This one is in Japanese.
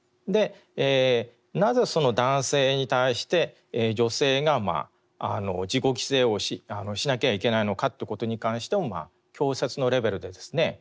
なぜその男性に対して女性が自己犠牲をしなきゃいけないのかということに関しても教説のレベルでですね